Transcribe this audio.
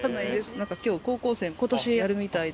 なんか今日高校生今年やるみたいで。